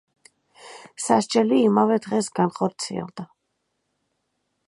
სასჯელი იმავე დღეს განხორციელდა.